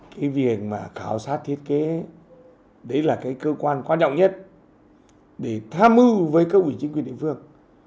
cái việc mà khảo sát thiết kế đấy là cái cơ quan quan trọng nhất để tham mưu với các ủy chính quyền địa phương